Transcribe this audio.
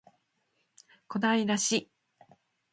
小平市